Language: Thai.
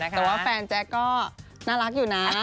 แต่ว่าแฟนแจ๊กก็น่ารักอยู่นะ